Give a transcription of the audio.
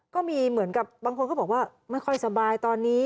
ก็มีเหมือนกับบางคนก็บอกว่าไม่ค่อยสบายตอนนี้